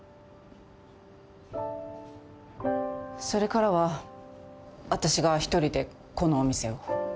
それからはあたしが１人でこのお店を。